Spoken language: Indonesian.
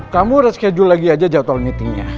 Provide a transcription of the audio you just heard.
kamu reschedule lagi aja jadwal meetingnya